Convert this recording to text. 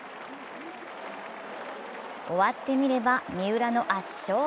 終わってみれば三浦の圧勝。